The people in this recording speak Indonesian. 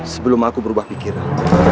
sebelum aku berubah pikiran